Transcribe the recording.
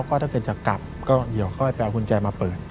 ก็ถ้าเกิดจะกลับก็ไปเอาหุ้นแจมาเปิด